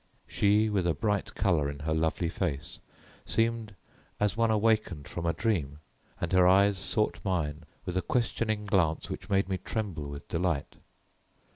She, with a bright colour in her lovely face, seemed as one awakened from a dream, and her eyes sought mine with a questioning glance which made me tremble with delight.